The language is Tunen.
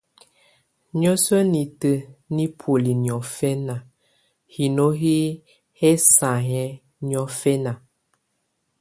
Niǝ́suǝ́ nitǝ́ nɛ buoli niɔfɛna, hino hɛ hɛsanhɛ niɔfɛna.